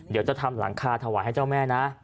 เดี๋ยวจะทำหลังคาถวายให้เจ้าแม่นะ